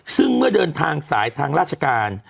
ซึ่งเมื่อเดินทางสายทางราชการ